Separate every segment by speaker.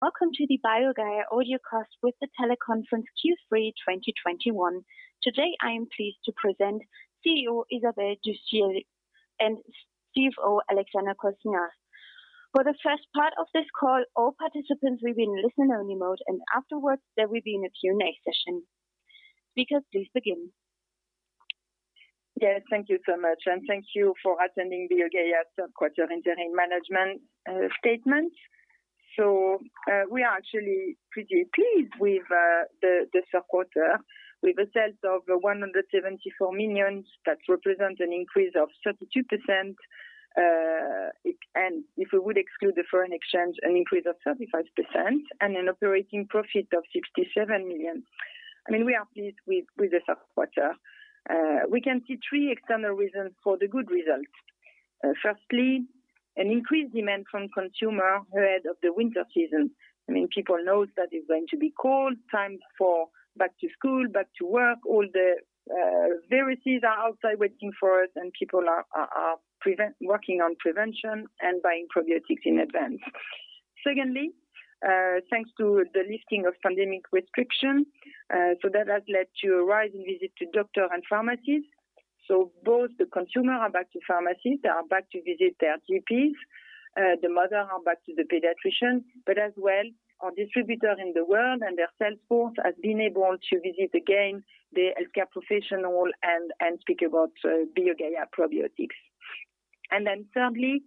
Speaker 1: Welcome to the BioGaia Audiocast with the Teleconference Q3 2021. Today, I am pleased to present CEO Isabelle Ducellier and CFO Alexander Kotsinas. For the first part of this call, all participants will be in listen-only mode, and afterwards, there will be a Q&A session. Speakers, please begin.
Speaker 2: Yes, thank you so much. Thank you for attending BioGaia's third quarter interim management statement. We are actually pretty pleased with the third quarter. With a sales of 174 million, that represents an increase of 32%, and if we would exclude the foreign exchange, an increase of 35%, and an operating profit of 67 million. We are pleased with the third quarter. We can see three external reasons for the good results. Firstly, an increased demand from consumer ahead of the winter season. People know that it's going to be cold, time for back to school, back to work. All the viruses are outside waiting for us. People are working on prevention and buying probiotics in advance. Secondly, thanks to the lifting of pandemic restriction, that has led to a rise in visit to doctor and pharmacies. Both the consumer are back to pharmacies, they are back to visit their GPs. The mother are back to the pediatrician, but as well, our distributor in the world and their sales force has been able to visit again the healthcare professional and speak about BioGaia probiotics. Thirdly,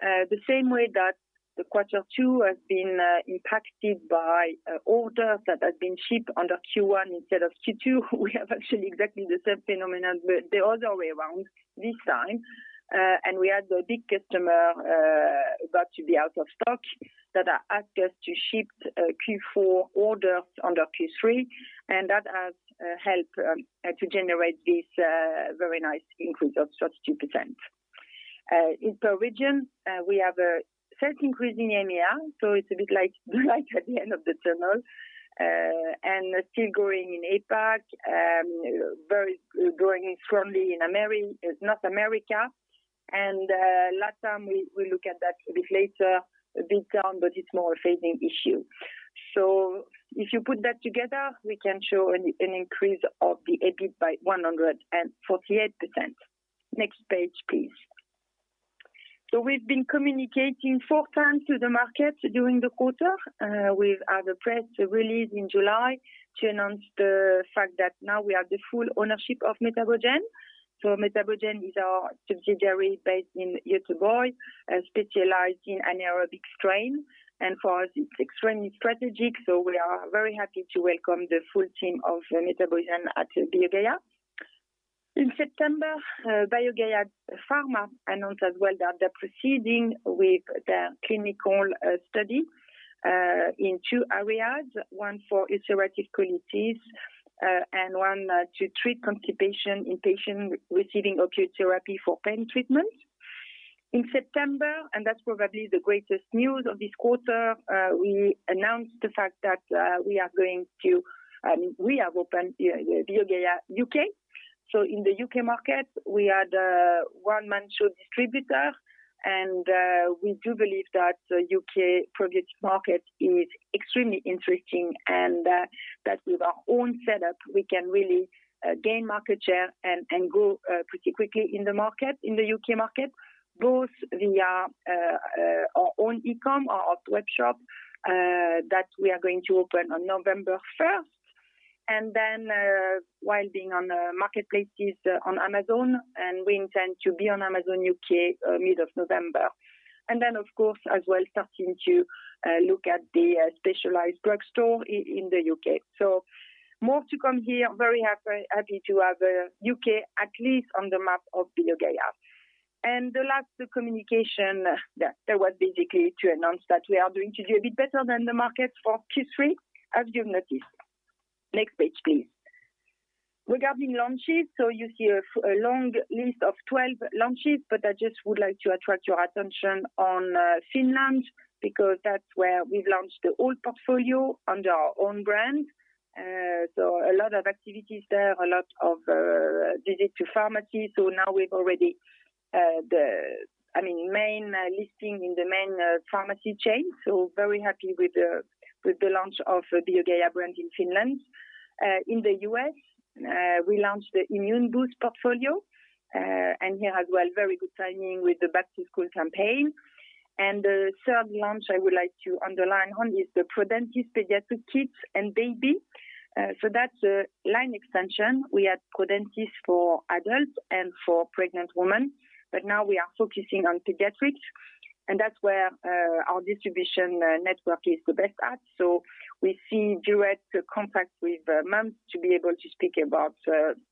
Speaker 2: the same way that the quarter two has been impacted by orders that have been shipped under Q1 instead of Q2, we have actually exactly the same phenomenon, but the other way around this time. We had a big customer got to be out of stock that asked us to ship Q4 orders under Q3, and that has helped to generate this very nice increase of 32%. In per region, we have a sales increase in EMEA, so it's a bit like light at the end of the tunnel. Still growing in APAC, and growing strongly in North America, and LATAM, we look at that a bit later, a bit down, but it's more a phasing issue. If you put that together, we can show an increase of the EBIT by 148%. Next page, please. We've been communicating four times to the market during the quarter. We had a press release in July to announce the fact that now we have the full ownership of MetaboGen. MetaboGen is our subsidiary based in Gothenburg, specializing in anaerobic strain. For us, it's extremely strategic, so we are very happy to welcome the full team of MetaboGen at BioGaia. In September, BioGaia Pharma announced as well that they're proceeding with the clinical study in two areas, one for ulcerative colitis, and one to treat constipation in patients receiving opioid therapy for pain treatment. In September, that is probably the greatest news of this quarter, we announced the fact that we have opened BioGaia U.K. In the U.K. market, we are the one managed distributor, we do believe that U.K. probiotics market is extremely interesting, that with our own setup, we can really gain market share and grow pretty quickly in the U.K. market, both via our own e-com, our web shop, that we are going to open on November 1st. While being on the marketplaces on Amazon, we intend to be on Amazon U.K., mid of November. Of course, as well, starting to look at the specialized drugstore in the U.K. More to come here. Very happy to have U.K. at least on the map of BioGaia. The last communication there was basically to announce that we are doing today a bit better than the market for Q3, as you've noticed. Next page, please. Regarding launches, you see a long list of 12 launches, I just would like to attract your attention on Finland, that's where we've launched the whole portfolio under our own brand. A lot of activities there, a lot of visit to pharmacy. Now we've already the main listing in the main pharmacy chain. Very happy with the launch of BioGaia brand in Finland. In the U.S., we launched the Immune Boost portfolio, here as well, very good timing with the back-to-school campaign. The third launch I would like to underline on is the Prodentis Pediatric Kids and Baby. That's a line extension. We had Prodentis for adults and for pregnant women. Now we are focusing on pediatrics, and that's where our distribution network is the best at. We see direct contact with moms to be able to speak about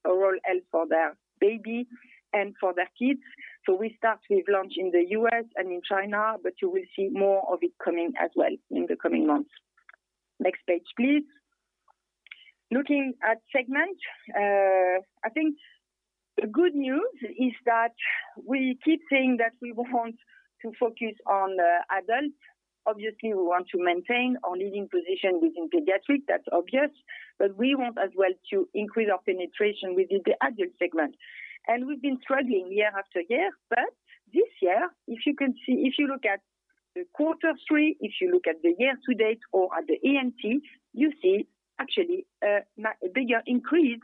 Speaker 2: oral health for their baby and for their kids. We start with launch in the U.S. and in China, but you will see more of it coming as well in the coming months. Next page, please. Looking at segment. I think the good news is that we keep saying that we want to focus on adult. Obviously, we want to maintain our leading position within pediatric, that's obvious, but we want as well to increase our penetration within the adult segment. We've been struggling year after year, but this year, if you look at the quarter three, if you look at the year-to-date or at the EBIT, you see actually a bigger increase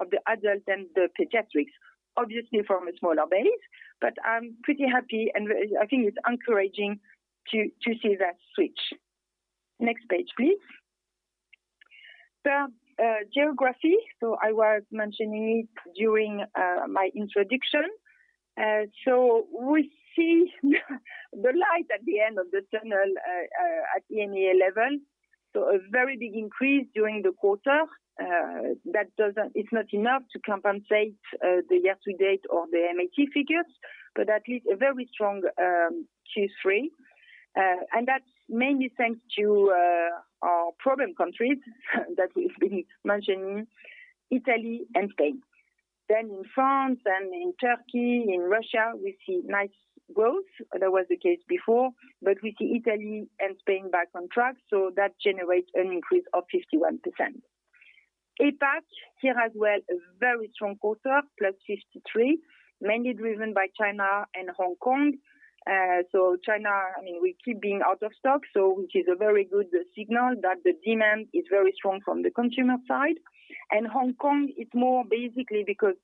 Speaker 2: of the adult than the pediatrics. Obviously from a smaller base, I'm pretty happy, I think it's encouraging to see that switch. Next page, please. Geography, I was mentioning it during my introduction. We see the light at the end of the tunnel at EMEA level. A very big increase during the quarter. It's not enough to compensate the year-to-date or the MAT figures, at least a very strong Q3. That's mainly thanks to our program countries that we've been mentioning, Italy and Spain. In France and in Turkey, in Russia, we see nice growth. That was the case before, but we see Italy and Spain back on track, that generates an increase of 51%. APAC, here as well, a very strong quarter, plus 53%, mainly driven by China and Hong Kong. China, we keep being out of stock, which is a very good signal that the demand is very strong from the consumer side. Hong Kong, it's more basically because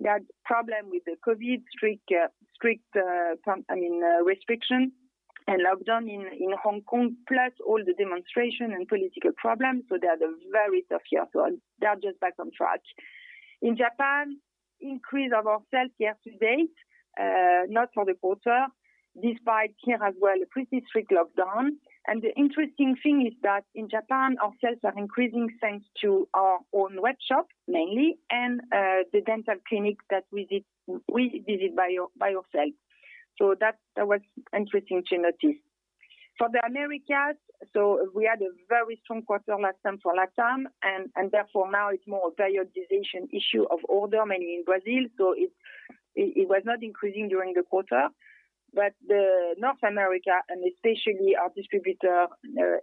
Speaker 2: they had problem with the COVID-19 strict restriction and lockdown in Hong Kong, plus all the demonstration and political problems, they had a very tough year. They are just back on track. In Japan, increase of our sales year-to-date, not for the quarter, despite here as well, a pretty strict lockdown. The interesting thing is that in Japan, our sales are increasing thanks to our own web shop mainly, and the dental clinic that we visit by ourselves. That was interesting to notice. For the Americas, we had a very strong quarter last time for LATAM, therefore now it's more periodization issue of order, mainly in Brazil. It was not increasing during the quarter. The North America and especially our distributor,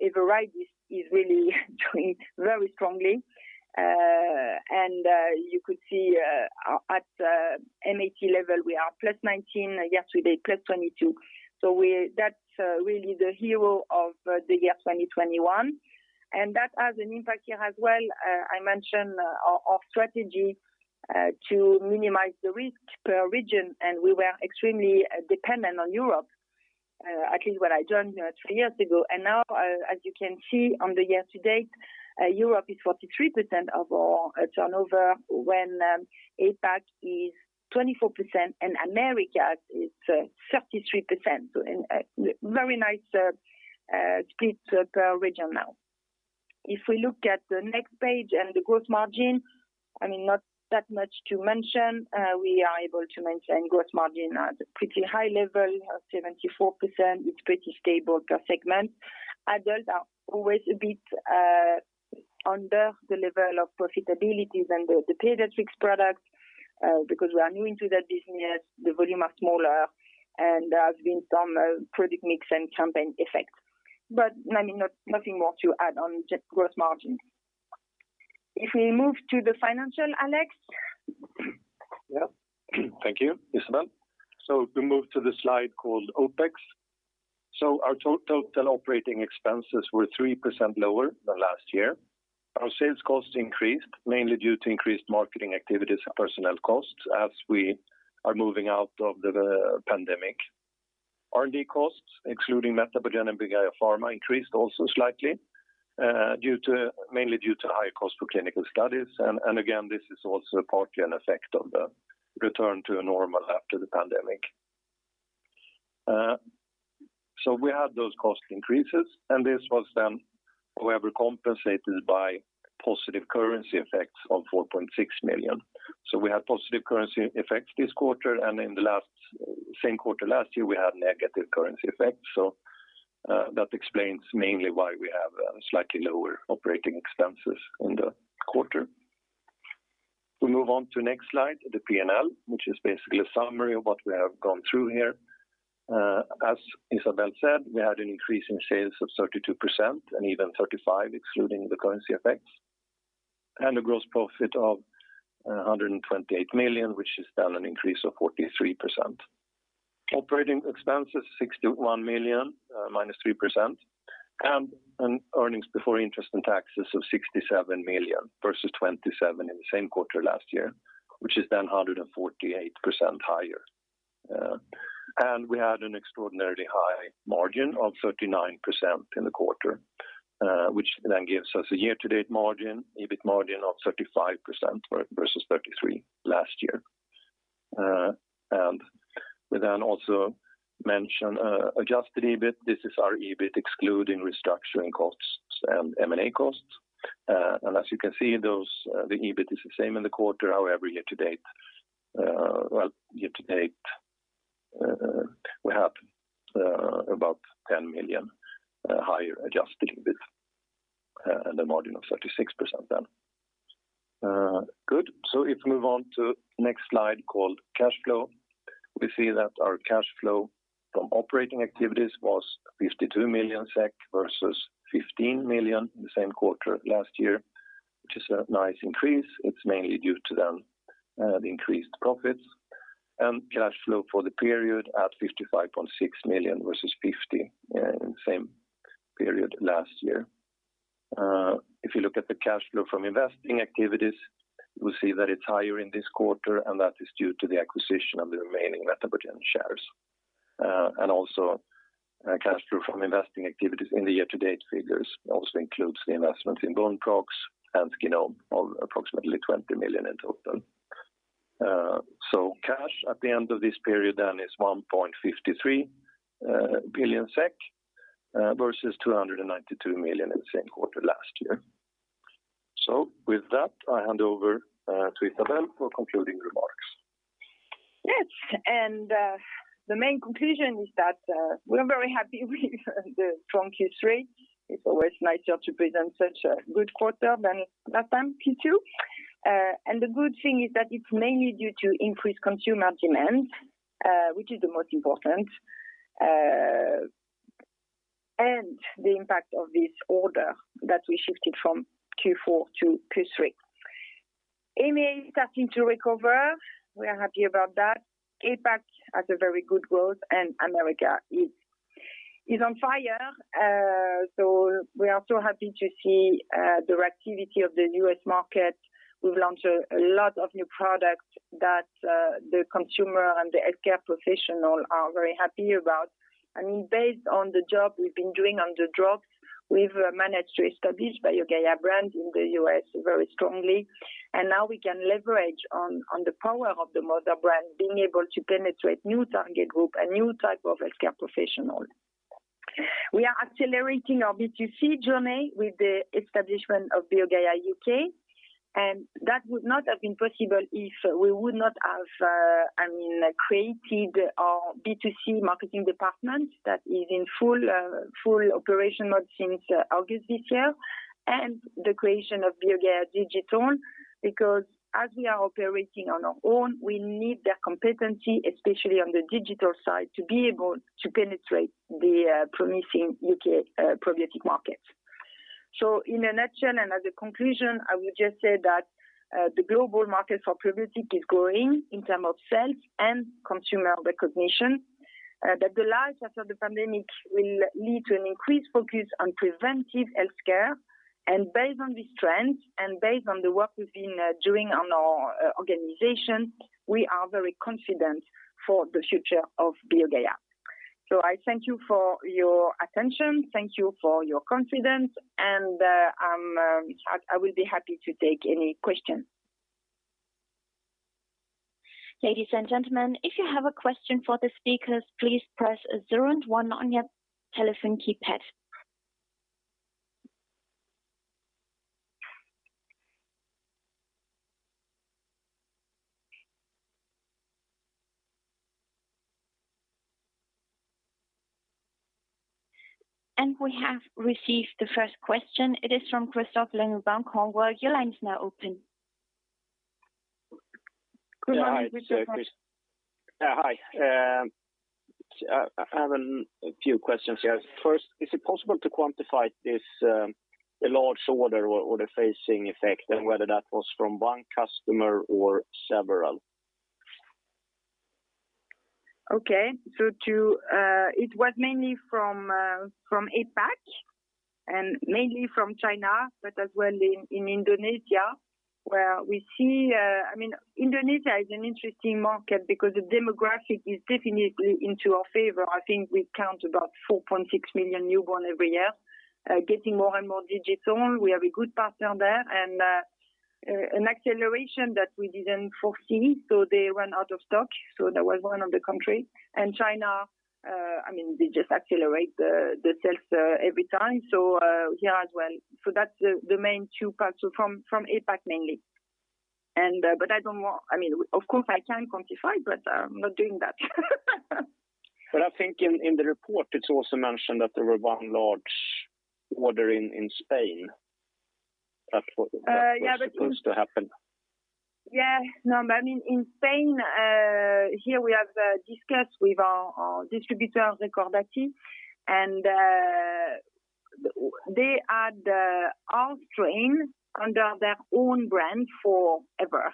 Speaker 2: Everidis, is really doing very strongly. You could see at MAT level, we are +19%, year-to-date +22%. That's really the hero of the year 2021. That has an impact here as well. I mentioned our strategy to minimize the risk per region, we were extremely dependent on Europe, at least when I joined three years ago. Now, as you can see on the year-to-date, Europe is 43% of our turnover, when APAC is 24% and Americas is 33%. Very nice split per region now. If we look at the next page and the gross margin, not that much to mention. We are able to maintain gross margin at a pretty high level of 74%. It's pretty stable per segment. Adults are always a bit under the level of profitability than the pediatrics products, because we are new into that business, the volume are smaller, and there has been some product mix and campaign effects. Nothing more to add on gross margin. If we move to the financial, Alex.
Speaker 3: Yeah. Thank you, Isabelle. We move to the slide called Opex. Our total operating expenses were 3% lower than last year. Our sales costs increased, mainly due to increased marketing activities and personnel costs as we are moving out of the pandemic. R&D costs, including MetaboGen and BioGaia Pharma, increased also slightly, mainly due to higher cost for clinical studies. Again, this is also partly an effect of the return to a normal after the pandemic. We had those cost increases, this was then, however, compensated by positive currency effects of 4.6 million. We had positive currency effects this quarter, in the same quarter last year, we had negative currency effects. That explains mainly why we have slightly lower operating expenses in the quarter. We move on to next slide, the P&L, which is basically a summary of what we have gone through here. As Isabelle said, we had an increase in sales of 32%, even 35% excluding the currency effects. A gross profit of 128 million, which is then an increase of 43%. Operating expenses, 61 million, -3%, and earnings before interest and taxes of 67 million versus 27 million in the same quarter last year, which is then 148% higher. We had an extraordinarily high margin of 39% in the quarter, which then gives us a year-to-date margin, EBIT margin of 35% versus 33% last year. We then also mention adjusted EBIT. This is our EBIT excluding restructuring costs and M&A costs. As you can see, the EBIT is the same in the quarter. Year-to-date, we have about 10 million higher adjusted EBIT, and a margin of 36% then. Good. If we move on to next slide called cash flow. We see that our cash flow from operating activities was 52 million SEK versus 15 million the same quarter last year. Which is a nice increase. It's mainly due to the increased profits and cash flow for the period at 55.6 million versus 50 million in the same period last year. If you look at the cash flow from investing activities, you will see that it's higher in this quarter, and that is due to the acquisition of the remaining Nutraceutics shares. Also, cash flow from investing activities in the year-to-date figures also includes the investments in Boneprox and Skinome of approximately 20 million in total. Cash at the end of this period then is 1.53 billion SEK versus 292 million in the same quarter last year. With that, I hand over to Isabelle for concluding remarks.
Speaker 2: Yes. The main conclusion is that we are very happy with the strong Q3. It's always nicer to present such a good quarter than last time, Q2. The good thing is that it's mainly due to increased consumer demand, which is the most important, and the impact of this order that we shifted from Q4 to Q3. EMEA starting to recover. We are happy about that. APAC has a very good growth and America is on fire. We are so happy to see the reactivity of the U.S. market. We've launched a lot of new products that the consumer and the healthcare professional are very happy about. Based on the job we've been doing on the drops, we've managed to establish BioGaia brand in the U.S. very strongly. Now we can leverage on the power of the mother brand being able to penetrate new target group and new type of healthcare professional. We are accelerating our B2C journey with the establishment of BioGaia UK. That would not have been possible if we would not have created our B2C marketing department that is in full operational mode since August this year. The creation of BioGaia Digital, because as we are operating on our own, we need that competency, especially on the digital side, to be able to penetrate the promising U.K. probiotic market. In a nutshell and as a conclusion, I would just say that the global market for probiotic is growing in term of sales and consumer recognition. The lifestyle after the pandemic will lead to an increased focus on preventive healthcare. Based on this trend and based on the work we've been doing on our organization, we are very confident for the future of BioGaia. I thank you for your attention. Thank you for your confidence and I will be happy to take any question.
Speaker 1: Ladies and gentlemen, if you have a question for the speakers, please press zero and one on your telephone keypad. We have received the first question. It is from Kristofer Liljeberg, Carnegie. Your line's now open.
Speaker 4: Good morning. Hi.
Speaker 2: Good morning.
Speaker 4: Hi. I have a few questions here. First, is it possible to quantify this large order or the phasing effect and whether that was from one customer or several?
Speaker 2: Okay. It was mainly from APAC and mainly from China, but as well in Indonesia where Indonesia is an interesting market because the demographic is definitely into our favor. I think we count about 4.6 million newborn every year, getting more and more digital. We have a good partner there, and an acceleration that we didn't foresee, so they ran out of stock. That was one of the country. China, they just accelerate the sales every time, so here as well. That's the main two parts. From APAC mainly. Of course, I can quantify, but I'm not doing that.
Speaker 4: I think in the report, it also mentioned that there were one large order in Spain that was supposed to happen.
Speaker 2: Yeah. No, in Spain, here we have discussed with our distributors, Recordati, and they had our strain under their own brand forever.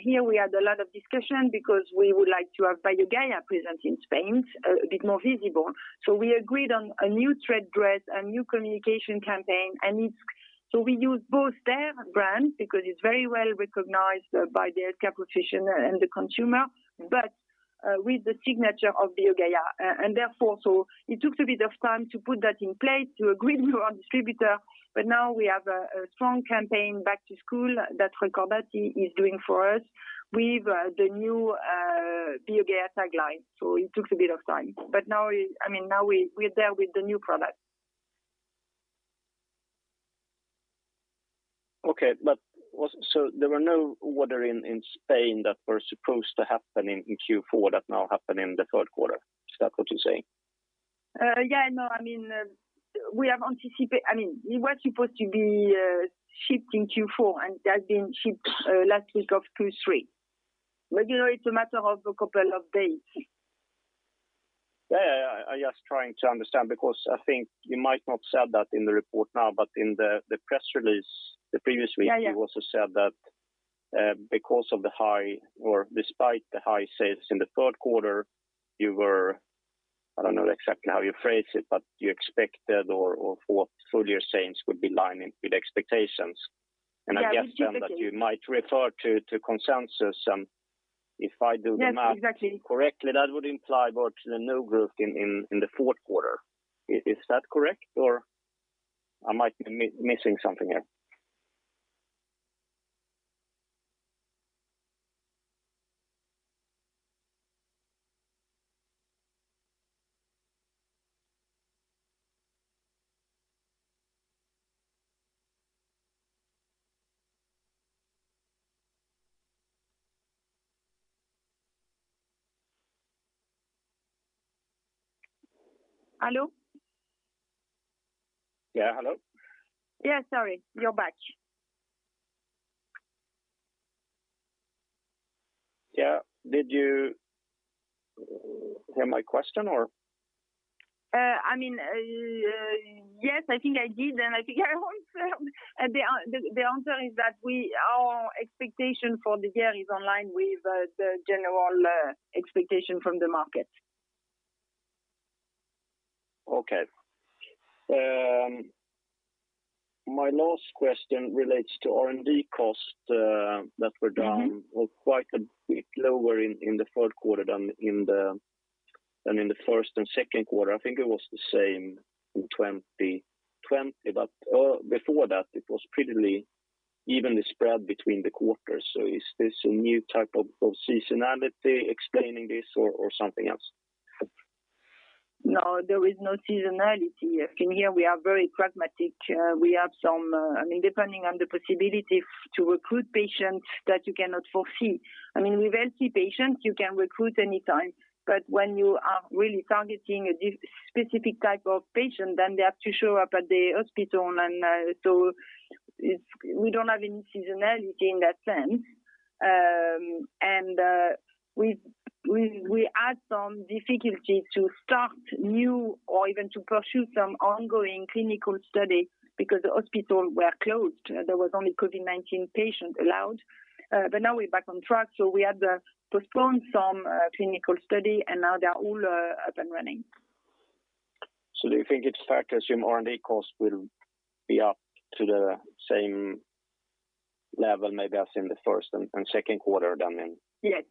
Speaker 2: Here we had a lot of discussion because we would like to have BioGaia present in Spain a bit more visible. We agreed on a new trade dress, a new communication campaign. We use both their brand because it's very well recognized by the healthcare professional and the consumer, but with the signature of BioGaia. Therefore, it took a bit of time to put that in place to agree with our distributor. Now we have a strong campaign back to school that Recordati is doing for us with the new BioGaia tagline. It took a bit of time. Now we're there with the new product.
Speaker 4: Okay. There were no order in Spain that were supposed to happen in Q4 that now happen in the third quarter. Is that what you're saying?
Speaker 2: Yeah. No, it was supposed to be shipped in Q4 and has been shipped last week of Q3. It's a matter of a couple of days.
Speaker 4: Yeah. I'm just trying to understand because I think you might not have said that in the report now, but in the press release the previous week-
Speaker 2: Yeah
Speaker 4: You also said that despite the high sales in the third quarter, you were, I don't know exactly how you phrased it, but you expected or for full year sales would be lining with expectations.
Speaker 2: Yeah.
Speaker 4: I guess then that you might refer to consensus, and if I do the math-
Speaker 2: Yes, exactly.
Speaker 4: Correctly, that would imply virtually no growth in the fourth quarter. Is that correct, or I might be missing something here?
Speaker 2: Hello?
Speaker 4: Yeah. Hello.
Speaker 2: Yeah, sorry. You're back.
Speaker 4: Yeah. Did you hear my question?
Speaker 2: Yes, I think I did, and I think the answer is that our expectation for the year is in line with the general expectation from the market.
Speaker 4: Okay. My last question relates to R&D costs that were down or quite a bit lower in the fourth quarter than in the first and second quarter. I think it was the same in 2020. Before that, it was pretty evenly spread between the quarters. Is this a new type of seasonality explaining this or something else?
Speaker 2: No, there is no seasonality. In here, we are very pragmatic. Depending on the possibility to recruit patients that you cannot foresee. With healthy patients, you can recruit any time, but when you are really targeting a specific type of patient, then they have to show up at the hospital. We don't have any seasonality in that sense. We had some difficulties to start new or even to pursue some ongoing clinical study because the hospital were closed. There was only COVID-19 patients allowed. Now we're back on track. We had to postpone some clinical study, and now they are all up and running.
Speaker 4: Do you think it's fair to assume R&D costs will be up to the same level maybe as in the first and second quarter?
Speaker 2: Yes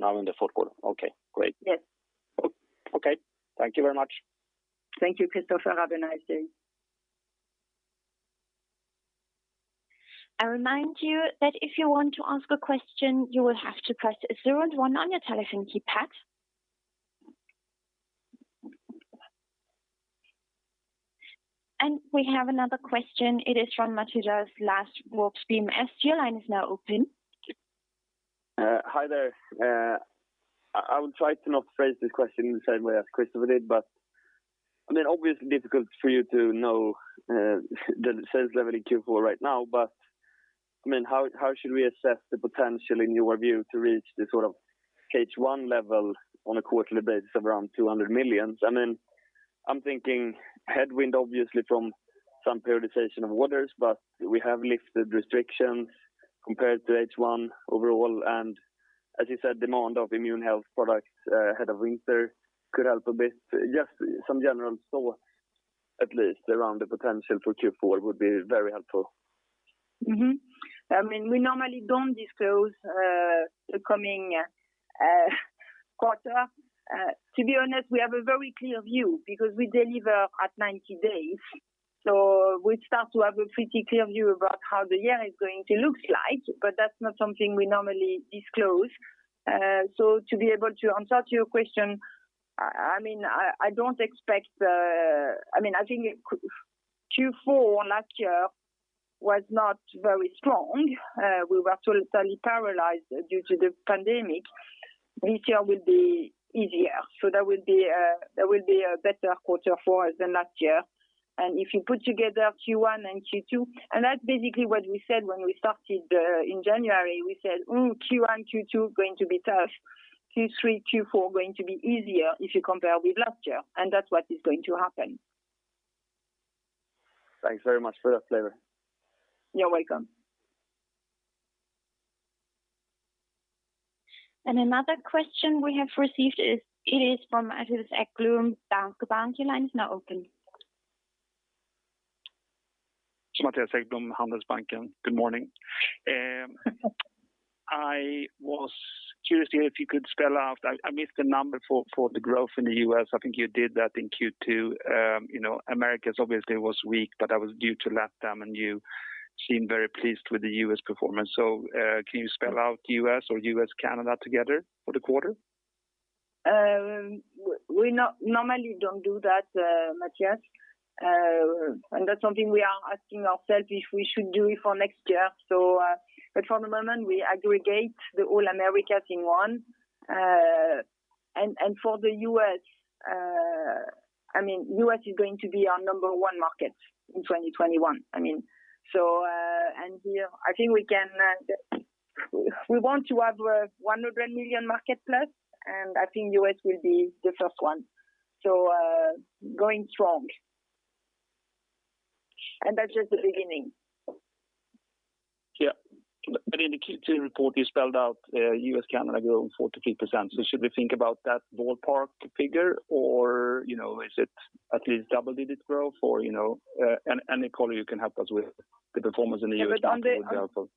Speaker 4: Now in the fourth quarter? Okay, great.
Speaker 2: Yes.
Speaker 4: Okay. Thank you very much.
Speaker 2: Thank you, Kristofer. Have a nice day.
Speaker 1: I remind you that if you want to ask a question, you will have to press zero and one on your telephone keypad. We have another question. It is from Mattias Larsson, Swedbank. Yes, your line is now open.
Speaker 5: Hi there. I will try to not phrase this question in the same way as Christopher did. Obviously difficult for you to know the sales level in Q4 right now, but how should we assess the potential in your view to reach the sort of H1 level on a quarterly basis of around 200 million? Then I'm thinking headwind obviously from some prioritization of orders, but we have lifted restrictions compared to H1 overall, and as you said, demand of immune health products ahead of winter could help a bit. Just some general thought at least around the potential for Q4 would be very helpful.
Speaker 2: We normally don't disclose the coming quarter. To be honest, we have a very clear view because we deliver at 90 days, so we start to have a pretty clear view about how the year is going to look like, but that's not something we normally disclose. To be able to answer to your question, I think Q4 last year was not very strong. We were totally paralyzed due to the pandemic. This year will be easier. That will be a better quarter for us than last year. If you put together Q1 and Q2, and that's basically what we said when we started in January. We said, "Q1, Q2 going to be tough. Q3, Q4 going to be easier if you compare with last year." That's what is going to happen.
Speaker 5: Thanks very much for that color.
Speaker 2: You're welcome.
Speaker 1: Another question we have received, it is from Mattias Häggblom, Handelsbanken. Your line is now open.
Speaker 6: Mattias Häggblom, Handelsbanken. Good morning. I was curious here if you could spell out. I missed the number for the growth in the U.S. I think you did that in Q2. Americas obviously was weak, but that was due to LATAM, and you seem very pleased with the U.S. performance. Can you spell out U.S. or U.S., Canada together for the quarter?
Speaker 2: We normally do not do that, Mattias. That's something we are asking ourselves if we should do it for next year. For the moment, we aggregate the whole Americas in one. For the U.S. is going to be our number one market in 2021. We want to have 100 million market plus, and I think U.S. will be the first one. Going strong. That's just the beginning.
Speaker 6: Yeah. In the Q2 report, you spelled out U.S., Canada growing 43%. Should we think about that ballpark figure or is it at least double-digit growth? Any color you can help us with the performance in the U.S. That would be helpful.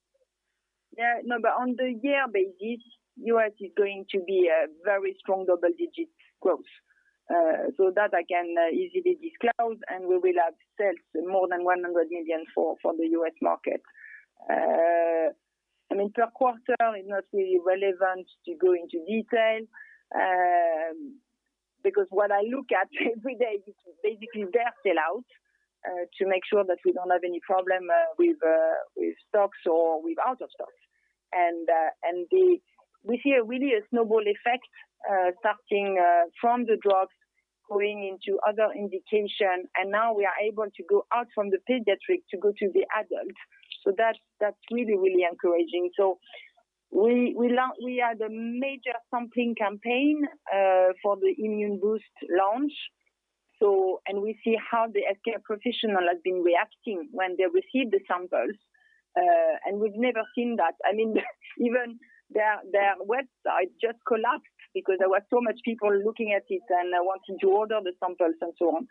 Speaker 2: Yeah, no, on the year basis, U.S. is going to be a very strong double-digit growth. That I can easily disclose, and we will have sales more than 100 million for the U.S. market. Per quarter is not really relevant to go into detail, because what I look at every day is basically their sellout, to make sure that we don't have any problem with stocks or with out of stocks. We see really a snowball effect, starting from the drops going into other indication, and now we are able to go out from the pediatric to go to the adult. That's really encouraging. We had a major sampling campaign for the immune boost launch. We see how the healthcare professional has been reacting when they receive the samples. We've never seen that. Even their website just collapsed because there were so many people looking at it and wanting to order the samples and so on.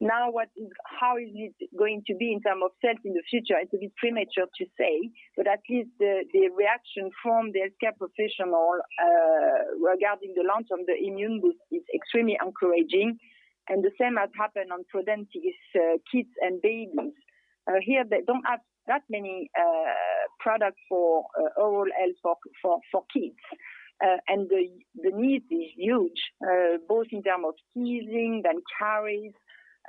Speaker 2: How is it going to be in terms of sales in the future? It's a bit premature to say, but at least the reaction from the healthcare professional, regarding the launch of the BioGaia Immune Active is extremely encouraging, and the same has happened on BioGaia Prodentis Kids and babies. Here, they don't have that many products for oral health for kids. The need is huge, both in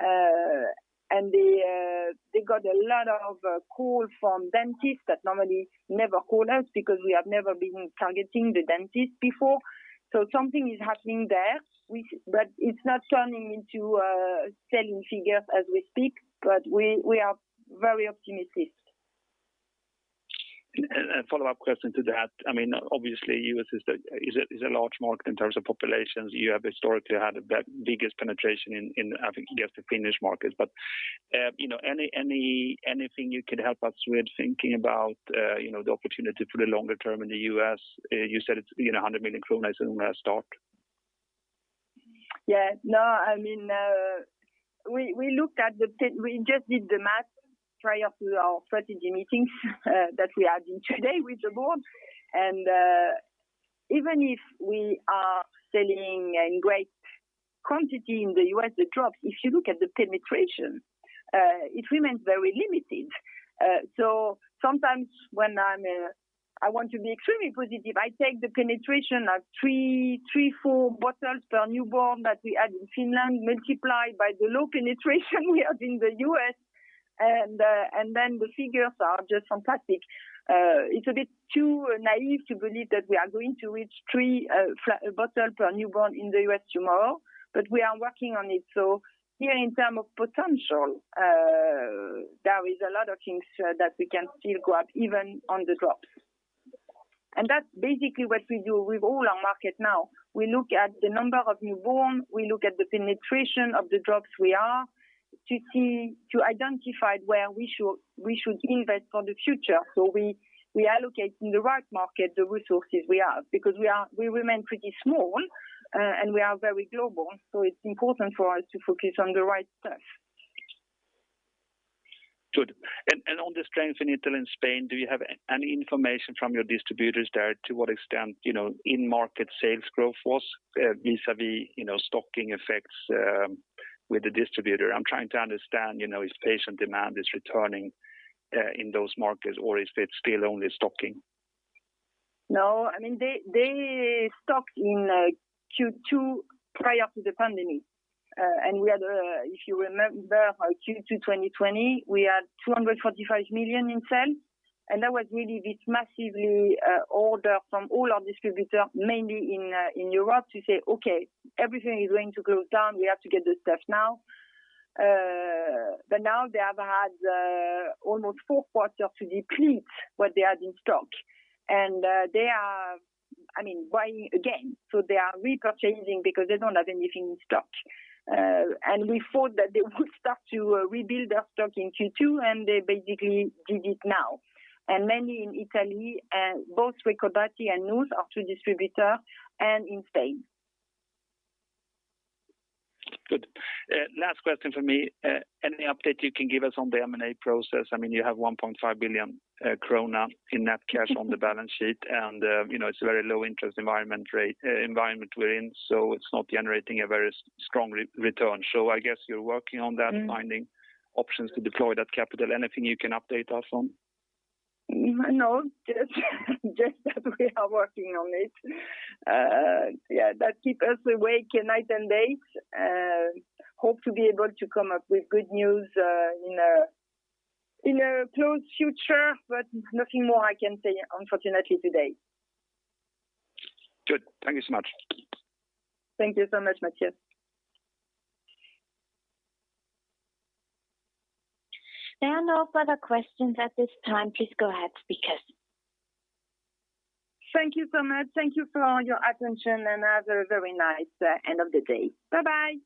Speaker 2: terms of teething, then caries. They got a lot of calls from dentists that normally never call us because we have never been targeting the dentist before. Something is happening there, but it's not turning into selling figures as we speak, but we are very optimistic.
Speaker 6: A follow-up question to that. Obviously, U.S. is a large market in terms of populations. You have historically had the biggest penetration in, I think you have the Finnish markets, but anything you could help us with thinking about the opportunity for the longer term in the U.S.? You said it's 100 million krona is a start.
Speaker 2: Yeah. We just did the math prior to our strategy meetings that we are doing today with the board, and even if we are selling in great quantity in the U.S., the drops, if you look at the penetration, it remains very limited. Sometimes when I want to be extremely positive, I take the penetration of three, four bottles per newborn that we had in Finland, multiplied by the low penetration we have in the U.S., and then the figures are just fantastic. It's a bit too naive to believe that we are going to reach three bottles per newborn in the U.S. tomorrow, but we are working on it. Here in terms of potential, there is a lot of things that we can still grab, even on the drops. That's basically what we do with all our market now. We look at the number of newborn, we look at the penetration of the drops we have, to identify where we should invest for the future. We allocate in the right market the resources we have, because we remain pretty small, and we are very global. It's important for us to focus on the right stuff.
Speaker 6: Good. On the strength in Italy and Spain, do you have any information from your distributors there to what extent in market sales growth was vis-à-vis stocking effects with the distributor? I am trying to understand if patient demand is returning in those markets or is it still only stocking?
Speaker 2: No. They stocked in Q2 prior to the pandemic. If you remember our Q2 2020, we had 245 million in sales, and that was really this massive order from all our distributors, mainly in Europe to say, "Okay, everything is going to close down. We have to get the stuff now." Now they have had almost four quarters to deplete what they had in stock. They are repurchasing because they don't have anything in stock. We thought that they would start to rebuild their stock in Q2, and they basically did it now. Mainly in Italy, both Recordati and Noos are two distributors, and in Spain.
Speaker 6: Good. Last question from me. Any update you can give us on the M&A process? You have 1.5 billion krona in that cash on the balance sheet and it's a very low interest environment we're in, it's not generating a very strong return. I guess you're working on that and finding options to deploy that capital. Anything you can update us on?
Speaker 2: No. Just that we are working on it. Yeah, that keep us awake night and days. Hope to be able to come up with good news in a close future, but nothing more I can say unfortunately today.
Speaker 6: Good. Thank you so much.
Speaker 2: Thank you so much, Mattias.
Speaker 1: There are no further questions at this time. Please go ahead, speakers.
Speaker 2: Thank you so much. Thank you for your attention and have a very nice end of the day. Bye-bye.